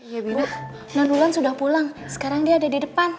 ya bina enam bulan sudah pulang sekarang dia ada di depan